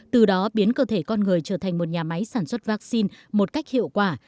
từ đó biến cơ thể con người trở thành một nhà máy sản xuất vaccine một cách hiệu quả